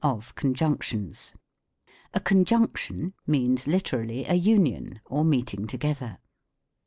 OF CONJUNCTIONS A Conjunction means literally, a union or meeting together.